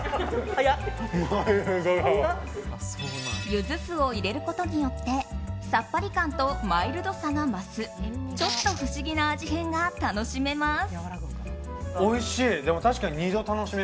ゆず酢を入れることによってさっぱり感とマイルドさが増すちょっと不思議な味変が楽しめます。